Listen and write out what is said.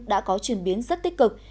đã có chuyển biến rất tích cực